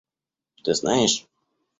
Ты знаешь?